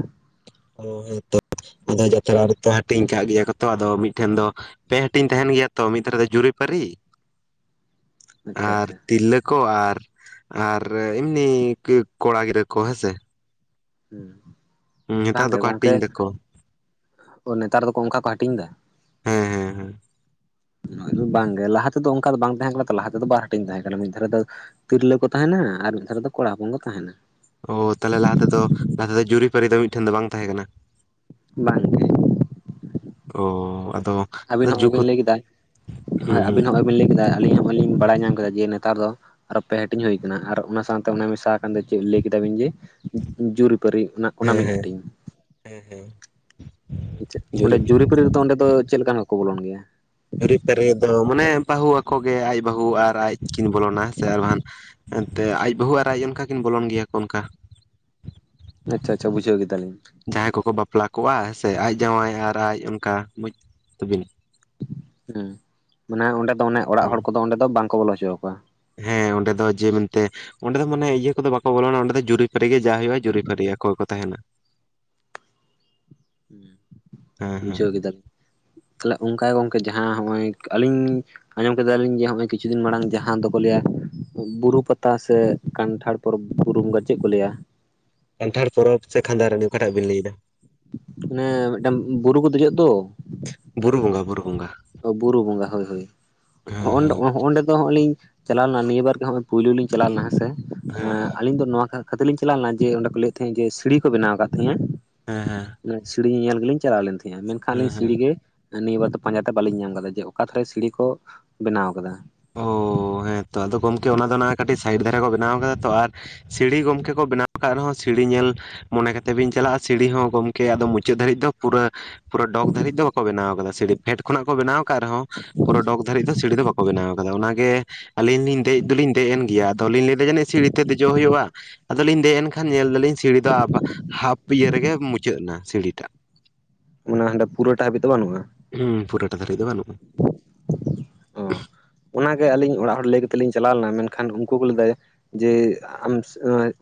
ᱚᱸ ᱦᱮᱸ ᱛᱚ ᱟᱫᱚ ᱡᱟᱛᱨᱟ ᱨᱮᱛᱚ ᱦᱟᱹᱴᱤᱧ ᱠᱟᱜ ᱜᱮᱭᱟ ᱠᱚᱛᱚ ᱟᱫᱚ ᱢᱤᱫᱴᱷᱮᱱ ᱫᱚ ᱯᱮ ᱦᱟᱹᱴᱤᱧ ᱛᱟᱦᱮᱱ ᱜᱮᱭᱟ ᱛᱚ ᱢᱤᱫ ᱫᱷᱟᱨᱮ ᱫᱚ ᱡᱩᱨᱤᱯᱟᱹᱨᱤ [inaudible] ᱟᱨ ᱟᱪᱪᱷᱟ ᱛᱤᱨᱞᱟᱹ ᱠᱚ ᱟᱨ ᱟᱨ ᱮᱢᱱᱤ ᱠᱚᱲᱟ ᱜᱤᱫᱽᱨᱟᱹ ᱠᱚ ᱦᱮᱸ ᱥᱮ ᱵᱟᱝ ᱱᱮᱛᱟᱨ ᱜᱮ ᱫᱚᱠᱚ ᱜᱚᱝᱠᱮ ᱦᱟᱹᱴᱤᱧ ᱫᱟᱠᱚ ᱱᱮᱛᱟᱨ ᱫᱚᱠᱚ ᱚᱱᱠᱟ ᱠᱚ ᱦᱟᱹᱴᱤᱧ ᱫᱟ ᱦᱮᱸ ᱦᱮᱸ ᱦᱮᱸ ᱱᱚᱜᱼᱚᱭ ᱫᱚ ᱵᱟᱝ ᱜᱮ ᱞᱟᱦᱟ ᱛᱮᱫᱚ ᱚᱝᱠᱟ ᱫᱚ ᱵᱟᱝ ᱛᱟᱦᱮᱸ ᱠᱟᱱᱟ ᱛᱚ ᱞᱟᱦᱟ ᱛᱮᱫᱚ ᱵᱟᱨ ᱦᱟᱹᱴᱤᱧ ᱛᱟᱦᱮᱸ ᱠᱟᱱᱟ ᱢᱤᱫ ᱫᱷᱟᱨᱮ ᱫᱚ ᱛᱤᱨᱞᱟᱹ ᱠᱚ ᱛᱟᱦᱮᱱᱟ ᱟᱨ ᱢᱤᱫ ᱫᱷᱟᱨᱮ ᱫᱚ ᱠᱚᱲᱟ ᱦᱚᱯᱚᱱ ᱠᱚ ᱛᱟᱦᱮᱱᱟ ᱳ ᱛᱟᱦᱚᱞᱮ ᱞᱟᱦᱟ ᱛᱮᱫᱚ ᱞᱟᱦᱟ ᱛᱮᱫᱚ ᱡᱩᱨᱤ ᱯᱟᱹᱨᱤ ᱫᱚ ᱢᱤᱫ ᱴᱷᱮᱱ ᱫᱚ ᱵᱟᱝ ᱛᱟᱦᱮᱸ ᱠᱟᱱᱟ ᱵᱟᱝ ᱜᱮ ᱳ ᱟᱫᱚ ᱟᱹᱵᱤᱱ ᱱᱚᱜᱼᱚᱭ ᱡᱩᱜᱽ ᱵᱤᱱ ᱦᱚᱸ ᱞᱟᱹᱭ ᱠᱮᱫᱟ ᱦᱳᱭ ᱦᱩᱸ ᱟᱹᱵᱤᱱ ᱦᱩᱸ ᱱᱚᱜᱼᱚᱭ ᱵᱤᱱ ᱞᱟᱹᱭ ᱠᱮᱫᱟ ᱟᱹᱞᱤᱧ ᱦᱚᱸ ᱵᱟᱹᱞᱤᱧ ᱵᱟᱲᱟᱭ ᱧᱟᱢ ᱠᱟᱫᱟ ᱡᱮ ᱱᱮᱛᱟᱨ ᱫᱚ ᱟᱨᱚ ᱯᱮ ᱦᱟᱹᱴᱤᱧ ᱦᱩᱭ ᱠᱟᱱᱟ ᱟᱨ ᱚᱱᱟ ᱥᱟᱶᱛᱮ ᱚᱱᱟ ᱢᱮᱥᱟ ᱟᱠᱟᱱ ᱫᱚ ᱪᱮᱫ ᱞᱟᱹᱭ ᱠᱮᱫᱟ ᱵᱤᱱ ᱡᱮ ᱡᱩᱨᱤ ᱯᱟᱹᱨᱤ ᱚᱱᱟ ᱚᱱᱟ ᱢᱤᱫ ᱦᱮᱸᱻᱦᱮᱸᱻ ᱦᱟᱹᱴᱤᱧ ᱦᱮᱸᱻᱦᱮᱸᱻ ᱚᱸᱰᱮ ᱡᱩᱨᱤ ᱯᱟᱹᱨᱤ ᱨᱮᱫᱚ ᱚᱸᱰᱮ ᱫᱚ ᱪᱮᱫ ᱞᱮᱠᱟᱱ ᱦᱚᱲ ᱠᱚ ᱵᱚᱞᱚᱱ ᱜᱮᱭᱟ ᱡᱩᱨᱤ ᱯᱟᱹᱨᱤ ᱫᱚ ᱢᱟᱱᱮ ᱵᱟᱹᱦᱩ ᱟᱠᱚ ᱜᱮ ᱟᱡ ᱵᱟᱹᱦᱩ ᱟᱨ ᱟᱡ ᱠᱤᱱ ᱵᱚᱞᱚᱱᱟ ᱥᱮ ᱟᱨ ᱵᱟᱦᱟᱱ ᱮᱱᱛᱮ ᱟᱡ ᱵᱟᱹᱦᱩ ᱟᱨ ᱟᱡ ᱚᱱᱠᱟ ᱠᱤᱱ ᱵᱚᱞᱚᱱ ᱜᱮᱭᱟ ᱠᱚ ᱚᱱᱠᱟ ᱟᱪᱪᱷᱟ ᱟᱪᱪᱷᱟ ᱵᱩᱡᱷᱟᱹᱣ ᱠᱮᱫᱟ ᱞᱤᱧ ᱡᱟᱦᱟᱸᱭ ᱠᱚᱠᱚ ᱵᱟᱯᱞᱟ ᱠᱚᱜᱼᱟ ᱦᱮᱸᱥᱮ ᱟᱡ ᱡᱟᱶᱟᱭ ᱟᱨ ᱟᱡ ᱚᱱᱠᱟ ᱵᱩᱡ ᱛᱟᱹᱵᱤᱱ ᱦᱩᱸ ᱢᱟᱱᱮ ᱚᱸᱰᱮ ᱫᱚ ᱚᱱᱮ ᱚᱲᱟᱜ ᱦᱮᱸ ᱦᱚᱲ ᱠᱚᱫᱚ ᱚᱸᱰᱮ ᱫᱚ ᱵᱟᱝᱠᱚ ᱵᱚᱞᱚ ᱦᱚᱪᱚᱣᱟ ᱠᱚᱣᱟ ᱦᱮᱸ ᱚᱸᱰᱮ ᱫᱚ ᱡᱮ ᱢᱮᱱᱛᱮ ᱚᱸᱰᱮ ᱫᱚ ᱢᱟᱱᱮ ᱤᱭᱟᱹ ᱠᱚᱫᱚ ᱵᱟᱠᱚ ᱵᱚᱞᱚᱱᱟ ᱚᱸᱰᱮ ᱫᱚ ᱡᱩᱨᱤ ᱯᱟᱹᱨᱤ ᱜᱮ ᱡᱟ ᱦᱩᱭᱩᱜᱼᱟ ᱡᱩᱨᱤ ᱯᱟᱹᱨᱤ ᱟᱠᱚ ᱜᱮᱠᱚ ᱛᱟᱦᱮᱸᱱᱟ ᱦᱮᱸ ᱦᱮᱸ ᱵᱩᱡᱷᱟᱹᱣ ᱠᱮᱫᱟᱞᱤᱧ ᱛᱟᱦᱞᱮ ᱚᱝᱠᱟ ᱜᱮ ᱜᱚᱝᱠᱮ ᱡᱟᱦᱟᱸ ᱦᱚᱸᱜᱼᱚᱭ ᱟᱹᱞᱤᱧ ᱟᱸᱡᱚᱢ ᱠᱮᱫᱟ ᱞᱤᱧ ᱡᱮ ᱦᱚᱸᱜᱼᱚᱭ ᱠᱤᱪᱷᱩ ᱫᱤᱱ ᱢᱟᱲᱟᱝ ᱡᱟᱦᱟᱸ ᱫᱚ ᱠᱚ ᱞᱟᱹᱭᱟ ᱵᱩᱨᱩ ᱯᱟᱛᱟ ᱥᱮ ᱠᱟᱱᱴᱷᱟᱲ ᱯᱚᱨᱚᱵᱽ ᱵᱩᱨᱩ ᱵᱚᱸᱜᱟ ᱪᱮᱫ ᱠᱚ ᱞᱟᱹᱭᱟ᱾ ᱠᱟᱱᱴᱷᱟᱲ ᱯᱚᱨᱚᱵᱽ ᱥᱮ ᱠᱷᱟᱫᱟᱨᱟᱹᱱᱤ ᱚᱠᱟᱴᱟᱜ ᱵᱤᱱ ᱞᱟᱹᱭᱟ ᱚᱱᱮ ᱢᱤᱫᱴᱟᱝ ᱵᱩᱨᱩ ᱠᱚ ᱫᱮᱡᱚᱜᱼᱟ ᱛᱚ ᱵᱩᱨᱩ ᱵᱚᱸᱜᱟ ᱵᱩᱨᱩ ᱵᱚᱸᱜᱟ᱾ ᱚ ᱵᱩᱨᱩ ᱵᱚᱸᱜᱟ ᱦᱚᱭ ᱦᱚᱭ ᱦᱮᱸ ᱦᱚᱸᱜᱼᱚᱸᱰ ᱦᱮᱸ ᱚᱸᱰᱮ ᱫᱚ ᱦᱚᱸᱜ ᱞᱤᱧ ᱪᱟᱞᱟᱣ ᱞᱮᱱᱟ ᱱᱤᱭᱟᱹ ᱵᱟᱨ ᱜᱮ ᱦᱚᱜᱼᱚᱭ ᱯᱩᱭᱞᱩ ᱞᱤᱧ ᱪᱟᱞᱟᱣ ᱞᱮᱱᱟ ᱦᱮᱸᱥᱮ, ᱦᱮᱸ ᱮᱸ ᱟᱞᱤᱧ ᱫᱚ ᱱᱚᱣᱟ ᱠᱷᱟ ᱠᱷᱟᱹᱛᱤᱨ ᱞᱤᱧ ᱪᱟᱞᱟᱣ ᱞᱮᱱᱟ ᱡᱮ ᱚᱸᱰᱮ ᱠᱚ ᱞᱟᱹᱭᱮᱫ ᱛᱟᱦᱮᱸᱫ ᱡᱮ ᱥᱤᱲᱤ ᱠᱚ ᱵᱮᱱᱟᱣ ᱠᱟᱫ ᱛᱟᱦᱮᱧᱟ ᱾ ᱦᱮᱸ ᱦᱮᱸ, -ᱱᱮᱡ ᱥᱤᱨᱤᱧ ᱧᱮᱧᱮᱞ ᱜᱤ ᱞᱤᱧ ᱪᱟᱞᱟᱣ ᱞᱮᱱ ᱛᱟᱦᱮᱧᱼᱟ ᱢᱮᱱᱠᱷᱟᱱ ᱦᱮᱸ ᱞᱤᱧ ᱦᱮᱸ ᱥᱤᱲᱷᱤ ᱜᱮ ᱱᱤᱭᱟᱹ ᱵᱟᱨ ᱫᱚ ᱯᱟᱸᱡᱟ ᱛᱮ ᱵᱟᱹᱞᱤᱧ ᱧᱟᱢ ᱠᱟᱫᱟ ᱡᱮ ᱚᱠᱟ ᱛᱷᱟᱨᱮ ᱥᱤᱲᱷᱤ ᱠᱚ ᱵᱮᱱᱟᱣ ᱟᱠᱟᱫᱟ! ᱚ.... ᱦᱮᱸ ᱛᱚ ᱟᱫᱚ ᱜᱚᱢᱠᱮ ᱚᱱᱟ ᱫᱚ ᱱᱟᱦᱟᱸᱜ ᱠᱟᱹᱴᱤᱡ ᱥᱟᱭᱤᱰ ᱫᱷᱟᱨᱮ ᱠᱚ ᱵᱮᱱᱟᱣ ᱟᱠᱟᱫᱟ ᱛᱚ ᱟᱨ ᱥᱤᱲᱤ ᱜᱚᱢᱠᱮ ᱠᱚ ᱵᱮᱱᱟᱣ ᱠᱟᱜ ᱨᱮᱦᱚᱸ ᱥᱤᱲᱤ ᱧᱮᱞ ᱢᱚᱱᱮ ᱠᱟᱛᱮ ᱵᱤᱱ ᱪᱟᱞᱟᱜᱼᱟ ᱥᱤᱲᱤ ᱦᱚᱸ ᱜᱚᱢᱠᱮ ᱟᱫᱚ ᱢᱩᱪᱟᱹᱫ ᱫᱷᱟᱹᱨᱤᱡ ᱫᱚ ᱯᱩᱨᱟᱹ ᱯᱩᱨᱟᱹ ᱰᱚᱜ ᱫᱷᱟᱹᱨᱤᱡ ᱫᱚ ᱵᱟᱠᱚ ᱵᱮᱱᱟᱣ ᱟᱠᱟᱫᱟ ᱥᱤᱲᱷᱤ ᱯᱷᱮᱰ ᱠᱷᱚᱱᱟᱜ ᱠᱚ ᱵᱮᱱᱟᱣ ᱟᱠᱟᱜ ᱨᱮᱦᱚᱸ ᱯᱩᱨᱟᱹ ᱰᱚᱜ ᱫᱷᱟᱨᱤᱡ ᱫᱚ ᱥᱤᱲᱷᱤ ᱫᱚ ᱵᱟᱠᱚ ᱵᱮᱱᱟᱣ ᱟᱫᱚ ᱚᱱᱟ ᱜᱮ ᱟᱹᱞᱤᱧ ᱞᱤᱧ ᱫᱮᱡ ᱫᱚᱞᱤᱧ ᱫᱮᱡ ᱮᱱ ᱜᱮᱭᱟ ᱟᱫᱚᱞᱤᱧ ᱞᱮᱭᱫᱟ ᱡᱟᱹᱱᱤᱡ ᱥᱤᱲᱤᱛᱮ ᱫᱮᱡᱚᱜ ᱦᱳᱭᱳᱜᱼᱟ᱾ ᱟᱫᱚᱞᱤᱧ ᱫᱮᱡ ᱮᱱ ᱠᱷᱟᱱ ᱧᱮᱞ ᱮᱫᱟᱞᱤᱧ ᱥᱤᱲᱷᱤ ᱫᱚ ᱟᱵᱟ ᱦᱟᱯᱷ ᱤᱭᱟᱹ ᱨᱮᱜᱮ ᱢᱩᱪᱟᱹᱫ ᱮᱱᱟ ᱥᱤᱲᱷᱤᱴᱟᱜ, ᱢᱟᱱᱮ ᱦᱟᱸᱰᱮ ᱯᱩᱨᱟᱹ ᱴᱟ ᱦᱟᱵᱤᱡ ᱫᱚ ᱵᱟᱹᱱᱩᱜᱼᱟ ᱾ ᱦᱩᱸ ᱯᱩᱨᱟᱴᱟᱜ ᱫᱷᱟᱨᱤᱡ ᱫᱚ ᱵᱟᱹᱱᱩᱜᱼᱟ ᱾ ᱚ ᱚᱱᱟᱜᱮ ᱟᱹᱞᱤᱧ ᱚᱲᱟᱜ ᱦᱚᱲ ᱞᱟᱹᱭ ᱠᱟᱛᱮᱫ ᱞᱤᱧ ᱪᱟᱞᱟᱣ ᱞᱮᱱᱟ ᱢᱮᱱᱠᱷᱟᱱ ᱩᱱᱠᱩ ᱠᱚ ᱞᱟᱹᱭ ᱡᱮ ᱟᱢ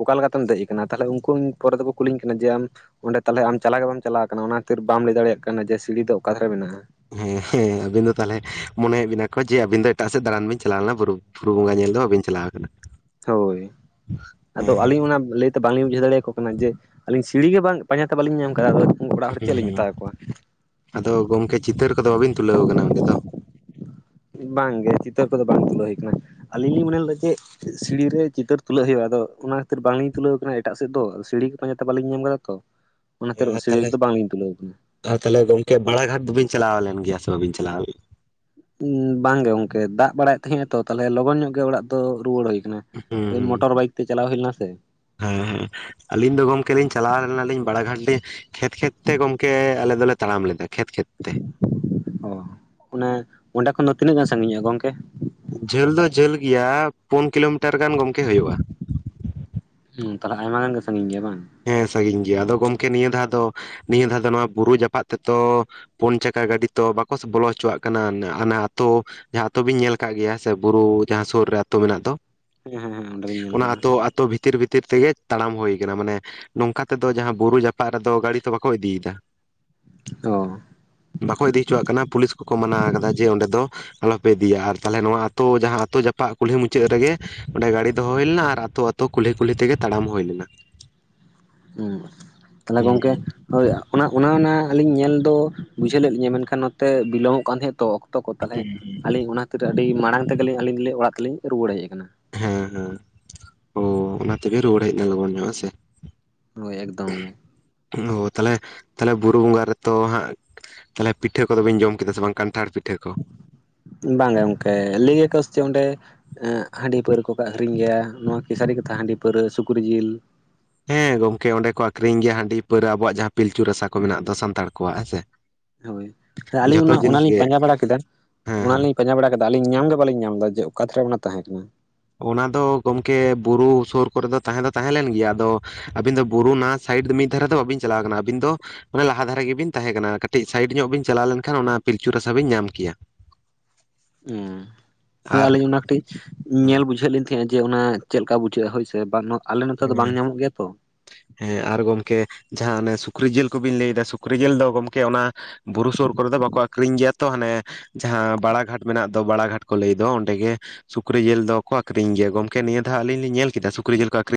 ᱚᱠᱟᱞᱮ ᱞᱮᱠᱟᱛᱮᱢ ᱫᱮᱡ ᱠᱟᱱᱟ ᱛᱟᱦᱚᱞᱮ ᱩᱱᱠᱩ ᱯᱚᱨᱮ ᱫᱚᱠᱚ ᱠᱩᱞᱤᱧ ᱠᱟᱱᱟ ᱡᱮ ᱟᱢ ᱚᱸᱰᱮ ᱛᱟᱦᱚᱞᱮ ᱟᱢ ᱪᱟᱞᱟᱜ ᱵᱟᱢ ᱪᱟᱞᱟᱣ ᱠᱟᱱᱟ ᱚᱱᱟ ᱠᱷᱟᱹᱛᱤᱨ ᱵᱟᱢ ᱞᱟᱹᱭ ᱫᱟᱲᱮᱭᱟᱜ ᱠᱟᱱᱟ ᱡᱮ ᱥᱤᱲᱤ ᱫᱚ ᱚᱠᱟ ᱫᱷᱟᱨᱮ ᱢᱮᱱᱟᱜ-ᱟ᱾ ᱦᱮᱸ ᱦᱮᱸ ᱟᱵᱤᱱ ᱫᱚ ᱛᱟᱦᱚᱞᱮ ᱢᱚᱱᱮᱭ ᱮᱫ ᱵᱤᱱᱟ ᱠᱚ ᱡᱮ ᱟᱵᱤᱱ ᱫᱚ ᱮᱴᱟᱜ ᱥᱮᱫ ᱫᱟᱬᱟᱱ ᱵᱤᱱ ᱪᱟᱞᱟᱣ ᱞᱮᱱᱟ ᱵᱩᱨᱩ ᱯᱷᱩᱨᱩ ᱵᱚᱸᱜᱟ ᱧᱮᱞ ᱫᱚ ᱵᱟᱹᱵᱤᱱ ᱪᱟᱞᱟᱣ ᱠᱟᱱᱟ᱾ ᱦᱳᱭ ᱟᱫᱚ ᱟᱹᱞᱤᱧ ᱚᱱᱟ ᱞᱟᱹᱭ ᱵᱟᱝ ᱞᱤᱧ ᱵᱩᱡᱷᱟᱹᱣ ᱫᱟᱲᱮᱭ ᱟᱠᱚ ᱠᱟᱱᱟ ᱡᱮ ᱟᱹᱞᱤᱧ ᱥᱤᱲᱤ ᱜᱮ ᱵᱟᱝ ᱯᱟᱸᱡᱟ ᱛᱮ ᱵᱟᱞᱤᱧ ᱧᱟᱢ ᱠᱟᱜ ᱟ ᱚᱲᱟᱜ ᱦᱚᱲ ᱪᱮᱫ ᱦᱩᱸ ᱞᱤᱧ ᱦᱩᱸ ᱢᱮᱛᱟᱣ ᱠᱚᱣᱟ ᱟᱫᱚ ᱜᱚᱝᱠᱮ ᱪᱤᱛᱟᱹᱨ ᱠᱚᱫᱚ ᱵᱟᱹᱵᱤᱱ ᱛᱩᱞᱟᱹᱣ ᱠᱟᱱᱟ ᱚᱸᱰᱮ ᱫᱚ ᱵᱟᱝ ᱜᱮ ᱪᱤᱛᱟᱹᱨ ᱠᱚᱫᱚ ᱵᱟᱝ ᱛᱩᱞᱟᱹᱣ ᱦᱩᱭ ᱠᱟᱱᱟ ᱟᱹᱞᱤᱧ ᱞᱤᱧ ᱢᱚᱱᱮ ᱞᱮᱫᱟ ᱪᱮᱫ ᱥᱤᱲᱤ ᱨᱮ ᱪᱤᱛᱟᱹᱨ ᱛᱩᱞᱟᱹᱜ ᱦᱩᱭᱩᱜᱼᱟ ᱟᱫᱚ ᱚᱱᱟ ᱠᱷᱟᱹᱛᱤᱨ ᱵᱟᱝᱞᱤᱧ ᱛᱩᱞᱟᱹᱣ ᱠᱟᱱᱟ ᱮᱴᱟᱜ ᱥᱮᱫ ᱫᱚ ᱥᱤᱲᱤ ᱠᱚ ᱯᱟᱸᱡᱟᱛᱮ ᱵᱟᱞᱤᱧ ᱧᱟᱢ ᱠᱟᱫᱟ ᱛᱚ ᱚᱱᱟᱛᱮ ᱟᱨ ᱥᱤᱲᱤ ᱛᱟᱦᱚᱞᱮ ᱨᱮᱫᱚ ᱵᱟᱝ ᱞᱤᱧ ᱛᱩᱞᱟᱹᱣ ᱠᱟᱱᱟ ᱟᱨ ᱛᱟᱦᱞᱮ ᱜᱚᱝᱠᱮ ᱵᱟᱲᱟ ᱜᱷᱟᱴ ᱫᱚᱵᱤᱱ ᱪᱟᱞᱟᱣ ᱞᱮᱱ ᱜᱮᱭᱟ ᱥᱮ ᱵᱟᱹᱵᱤᱱ ᱪᱟᱞᱟᱣ ᱵᱟᱝ ᱜᱮ ᱜᱚᱝᱠᱮ ᱫᱟᱜ ᱵᱟᱲᱟᱭᱮᱫ ᱛᱟᱦᱮᱸ ᱟᱭ ᱛᱚ ᱛᱟᱦᱞᱮ ᱞᱚᱜᱚᱱ ᱧᱚᱜ ᱜᱮ ᱚᱲᱟᱜ ᱫᱚ ᱨᱩᱣᱟᱹᱲ ᱦᱩᱭ ᱟᱠᱟᱱᱟ ᱢᱚᱴᱚᱨ ᱵᱟᱭᱤᱠ ᱛᱮ ᱪᱟᱞᱟᱣ ᱦᱩᱭ ᱞᱮᱱᱟ ᱥᱮ ᱦᱮᱸᱻᱦᱮᱸᱻ ᱟᱹᱞᱤᱧ ᱫᱚ ᱜᱚᱝᱠᱮ ᱞᱤᱧ ᱪᱟᱞᱟᱣ ᱞᱮᱱᱟ ᱞᱤᱧ ᱵᱟᱲᱟ ᱜᱷᱟᱴᱰᱤ ᱠᱷᱮᱛ ᱠᱷᱮᱛ ᱛᱮ ᱜᱚᱝᱠᱮ ᱟᱞᱮ ᱫᱚᱞᱮ ᱛᱟᱲᱟᱢ ᱞᱮᱫᱟ ᱠᱷᱮᱛ ᱠᱷᱮᱛ ᱛᱮ ᱚ ᱚᱱᱮ ᱚᱸᱰᱮ ᱠᱷᱚᱱ ᱫᱚ ᱛᱤᱱᱟᱹᱜ ᱜᱟᱱ ᱥᱟᱺᱜᱤᱧ ᱧᱚᱜᱼᱟ ᱜᱚᱝᱠᱮ ᱡᱷᱟᱹᱞ ᱫᱚ ᱡᱷᱟᱹᱞ ᱜᱮᱭᱟ ᱯᱩᱱ ᱠᱤᱞᱳᱢᱤᱴᱟᱨ ᱜᱟᱱ ᱜᱚᱝᱠᱮ ᱦᱩᱭᱩᱜᱼᱟ ᱦᱩᱸ ᱛᱟᱞᱦᱮ ᱟᱭᱢᱟ ᱜᱟᱱ ᱜᱮ ᱥᱟᱺᱜᱤᱧ ᱜᱮᱭᱟ ᱵᱟᱝ ᱦᱮᱸ ᱥᱟᱺᱜᱤᱧ ᱜᱮᱭᱟ ᱟᱫᱚ ᱜᱚᱝᱠᱮ ᱱᱤᱭᱟᱹ ᱫᱷᱟᱣ ᱫᱚ ᱱᱤᱭᱟᱹ ᱫᱷᱟᱣ ᱫᱚ ᱱᱚᱣᱟ ᱵᱩᱨᱩ ᱡᱟᱯᱟᱜ ᱛᱮᱛᱚ ᱯᱩᱱ ᱪᱟᱠᱟ ᱜᱟᱹᱰᱤ ᱛᱚ ᱵᱟᱠᱚᱥ ᱵᱚᱞᱚ ᱦᱚᱪᱚᱣᱟᱜ ᱠᱟᱱᱟ ᱦᱟᱱᱟ ᱟᱛᱳ ᱡᱟᱦᱟᱸ ᱟᱛᱳ ᱵᱤᱱ ᱧᱮᱞ ᱟᱠᱟᱫ ᱜᱮᱭᱟ ᱥᱮ ᱵᱩᱨᱩ ᱡᱟᱦᱟᱸ ᱥᱩᱨ ᱨᱮ ᱟᱛᱳ ᱢᱮᱱᱟᱜ ᱫᱚ ᱦᱮᱸᱻᱦᱮᱸᱻᱦᱮᱸᱻ ᱚᱸᱰᱮ ᱞᱤᱧ ᱧᱮᱞ ᱠᱟᱫᱟ ᱛᱚ ᱵᱷᱤᱛᱤᱨ ᱵᱷᱤᱛᱤᱨ ᱛᱮᱜᱮ ᱛᱟᱲᱟᱢ ᱦᱩᱭ ᱠᱟᱱᱟ ᱢᱟᱱᱮ ᱱᱚᱝᱠᱟ ᱛᱮᱫᱚ ᱡᱟᱦᱟᱸ ᱵᱩᱨᱩ ᱡᱟᱯ ᱮᱴᱟᱜ ᱨᱮᱫᱚ ᱜᱟᱹᱲᱤ ᱛᱚ ᱵᱟᱠᱚ ᱤᱫᱤᱭᱮᱫᱟ ᱚ ᱵᱟᱠᱚ ᱤᱫᱤ ᱦᱚᱪᱚᱣᱟᱜ ᱠᱟᱱᱟ ᱯᱩᱞᱤᱥ ᱠᱚᱠᱚ ᱢᱟᱱᱟ ᱠᱟᱫᱟ ᱡᱮ ᱚᱸᱰᱮ ᱫᱚ ᱟᱞᱚᱯᱮ ᱤᱫᱤᱭᱟ ᱟᱨ ᱛᱟᱦᱞᱮ ᱱᱚᱣᱟ ᱟᱛᱩ ᱡᱟᱸᱦᱟ ᱟᱹᱛᱩ ᱡᱟᱯᱟᱜ ᱠᱩᱞᱦᱤ ᱢᱩᱪᱟᱹᱫ ᱨᱮᱜᱮ ᱚᱸᱰᱮ ᱜᱟᱹᱰᱤ ᱫᱚᱦᱚ ᱦᱳᱭ ᱞᱮᱱᱟ ᱟᱨ ᱟᱹᱛᱩ ᱛᱚ ᱠᱩᱞᱦᱤ ᱠᱩᱞᱦᱤ ᱛᱮᱜᱮ ᱛᱟᱲᱟᱢ ᱦᱩᱭ ᱞᱮᱱᱟ ᱦᱮᱸ ᱛᱟᱞᱦᱮ ᱦᱩᱸ ᱜᱚᱝᱠᱮ ᱦᱩᱸ ᱦᱳᱭ ᱚᱱᱟ ᱚᱱᱟ ᱚᱱᱟ ᱟᱹᱞᱤᱧ ᱧᱮᱞ ᱫᱚ ᱵᱩᱡᱷᱟᱹᱣ ᱞᱮᱫ ᱞᱤᱧᱟᱹ ᱢᱮᱱᱠᱷᱟᱱ ᱱᱚᱛᱮ ᱵᱤᱞᱚᱢᱚᱜ ᱠᱟᱱ ᱛᱟᱦᱮᱸᱫ ᱛᱚ ᱚ ᱠᱚ [inaudible] ᱛᱟᱦᱚᱞᱮ ᱦᱩᱸ ᱦᱩᱸ ᱟᱹᱞᱤᱧ ᱚᱱᱟ ᱠᱷᱟᱹᱛᱤᱨ ᱛᱮ ᱟᱹᱰᱤ ᱢᱟᱲᱟᱝ ᱛᱮᱜᱮ ᱞᱤᱧ ᱟᱹᱞᱤᱧ ᱚᱲᱟᱜ ᱛᱮ ᱞᱤᱧ ᱨᱩᱣᱟᱹᱲ ᱦᱮᱡ ᱟᱠᱟᱱᱟ ᱦᱮᱸ ᱦᱮᱸ ᱚ ᱚᱱᱟ ᱛᱮᱜᱮ ᱨᱩᱣᱟᱹᱲ ᱦᱮᱡ ᱮᱱᱟ ᱞᱚᱜᱚᱱ ᱧᱚᱜ ᱦᱮᱸᱥᱮ ᱦᱳᱭ ᱮᱠᱫᱚᱢ ᱜᱮ ᱚ ᱛᱟᱦᱞᱮ ᱛᱟᱦᱞᱮ ᱵᱩᱨᱩ ᱵᱚᱸᱜᱟ ᱨᱮᱛᱚ ᱦᱟᱸᱜ ᱛᱟᱦᱚᱞᱮ ᱯᱤᱴᱷᱟᱹ ᱠᱚᱫᱚ ᱵᱤᱱ ᱡᱚᱢ ᱠᱮᱫᱟ ᱥᱮ ᱵᱟᱝ ᱠᱟᱱᱴᱷᱟᱲ ᱯᱤᱴᱷᱟᱹ ᱠᱚ ᱵᱟᱝ ᱜᱮ ᱜᱚᱝᱠᱮ ᱞᱟᱹᱭ ᱟᱠᱚ ᱥᱮ ᱪᱮᱫ ᱚᱸᱰᱮ ᱦᱟᱺᱰᱤ ᱯᱟᱹᱣᱨᱟᱹ ᱠᱚᱠᱚ ᱟᱹᱠᱷᱨᱤᱧ ᱜᱮᱭᱟ ᱱᱚᱣᱟ ᱠᱤ ᱥᱟᱨᱤ ᱠᱟᱛᱷᱟ ᱦᱟᱺᱰᱤ ᱯᱟᱹᱣᱨᱟᱹ ᱥᱩᱠᱨᱤ ᱡᱤᱞ ᱦᱮᱸ ᱜᱚᱝᱠᱮ ᱚᱸᱰᱮ ᱠᱚ ᱟᱠᱷᱨᱤᱧ ᱜᱮᱭᱟ ᱦᱟᱺᱰᱤ ᱯᱟᱹᱨᱣᱟᱹ ᱟᱵᱚᱣᱟᱜ ᱡᱟᱦᱟᱸ ᱯᱤᱞᱪᱩ ᱨᱟᱥᱟ ᱠᱚ ᱢᱮᱱᱟᱜ ᱫᱚ ᱥᱟᱱᱛᱟᱲ ᱠᱚᱣᱟᱜ ᱦᱮᱸᱥᱮ ᱦᱳᱭ ᱟᱹᱞᱤᱧ ᱚᱱᱟ ᱞᱤᱧ ᱯᱟᱸᱡᱟ ᱵᱟᱲᱟ ᱠᱮᱫᱟ ᱦᱮᱸ ᱚᱱᱟ ᱦᱮᱸ ᱞᱤᱧ ᱯᱟᱸᱡᱟ ᱵᱟᱲᱟ ᱠᱮᱫᱟ ᱞᱤᱧ ᱧᱟᱢ ᱜᱮ ᱵᱟᱞᱤᱧ ᱧᱟᱢ ᱞᱮᱫᱟ ᱡᱮ ᱚᱠᱟ ᱫᱷᱟᱨᱮ ᱚᱱᱟ ᱛᱟᱦᱮᱸ ᱠᱟᱱᱟ ᱚᱱᱟ ᱫᱚ ᱜᱚᱝᱠᱮ ᱵᱩᱨᱩ ᱥᱳᱨ ᱠᱚᱨᱮ ᱫᱚ ᱛᱟᱦᱮᱸ ᱫᱚ ᱛᱟᱦᱮᱸ ᱞᱮᱱ ᱜᱮᱭᱟ ᱟᱫᱚ ᱟᱹᱵᱤᱱ ᱫᱚ ᱵᱩᱨᱩ ᱱᱟᱣᱟ ᱥᱟᱭᱤᱰ ᱫᱚ ᱢᱤᱫ ᱫᱷᱟᱨᱮ ᱫᱚ ᱵᱟᱹᱵᱤᱱ ᱪᱟᱞᱟᱣ ᱠᱟᱱᱟ ᱟᱹᱵᱤᱱ ᱫᱚ ᱢᱟᱱᱮ ᱞᱟᱦᱟ ᱫᱷᱟᱨᱮ ᱜᱮᱵᱤᱱ ᱛᱟᱦᱮᱸ ᱠᱟᱱᱟ ᱠᱟᱹᱴᱤᱡ ᱥᱟᱭᱤᱴ ᱧᱚᱜ ᱵᱤᱱ ᱪᱟᱞᱟᱣ ᱞᱮᱱ ᱠᱷᱟᱱ ᱚᱱᱟ ᱯᱤᱞᱪᱩ ᱨᱟᱥᱟ ᱵᱤᱱ ᱧᱟᱢ ᱠᱮᱭᱟ ᱦᱮᱸ ᱦᱳᱭ ᱟᱨ ᱟᱹᱞᱤᱧ ᱚᱱᱟ ᱠᱟᱹᱴᱤᱡ ᱦᱮᱸ ᱧᱮᱞ ᱵᱩᱡᱷᱟᱹᱣ ᱞᱤᱧ ᱦᱮᱸ ᱡᱮ ᱚᱱᱟ ᱪᱮᱫ ᱠᱟ ᱵᱩᱡᱷᱟᱹᱜᱼᱟ ᱦᱳᱭᱥᱮ ᱵᱟᱝ ᱟᱞᱮ ᱱᱚᱛᱮ ᱫᱚ ᱵᱟᱝ ᱧᱟᱢᱚᱜ ᱜᱮᱭᱟ ᱛᱚ ᱦᱮᱸ ᱟᱨ ᱜᱚᱝᱠᱮ ᱡᱟᱸᱦᱟ ᱚᱱᱮ ᱥᱩᱠᱨᱤ ᱡᱤᱞ ᱠᱚᱵᱤᱱ ᱞᱟᱹᱭ ᱫᱟ ᱥᱩᱠᱨᱤ ᱡᱤᱞ ᱫᱚ ᱜᱚᱝᱠᱮ ᱚᱱᱟ ᱵᱩᱨᱩ ᱥᱩᱨ ᱡᱚᱨᱮ ᱫᱚ ᱵᱟᱠᱚ ᱟᱠᱷᱨᱤᱧ ᱜᱮᱭᱟ ᱛᱚ ᱛᱚ ᱦᱟᱱᱮ ᱡᱟᱸᱦᱟ ᱵᱟᱲᱟ ᱜᱷᱟᱴ ᱢᱮᱱᱟᱜ ᱫᱚ ᱵᱟᱲᱟ ᱜᱷᱟᱴ ᱠᱚ ᱞᱟᱹᱭ ᱫᱚ ᱚᱸᱰᱮ ᱜᱮ ᱥᱩᱠᱨᱤ ᱡᱤᱞ ᱫᱚᱠᱚ ᱟᱹᱠᱷᱨᱤᱧ ᱜᱮᱭᱟ ᱜᱚᱢᱠᱮ ᱱᱤᱭᱟᱹ ᱫᱟᱷᱤᱣ ᱟᱞᱤᱧ ᱞᱤᱧ ᱧᱮᱞ ᱠᱮᱫᱟ ᱥᱩᱠᱨᱤ ᱡᱤᱞ ᱠᱚ ᱟᱹᱠᱷᱨᱤᱧ